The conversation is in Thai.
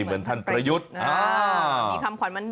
เหมือนท่านประยุทธ์